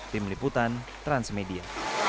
tim liputan transmedia